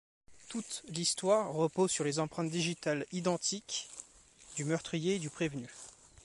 Toute l'histoire repose sur les empreintes digitales identiques du meurtrier et du prévenu.